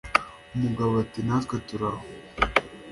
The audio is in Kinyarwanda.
umugabo ati natwe turaho